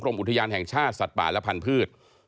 อุทยานแห่งชาติสัตว์ป่าและพันธุ์